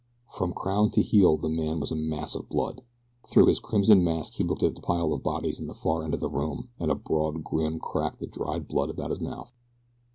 From crown to heel the man was a mass of blood. Through his crimson mask he looked at the pile of bodies in the far end of the room, and a broad grin cracked the dried blood about his mouth.